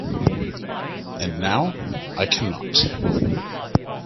And now — I cannot.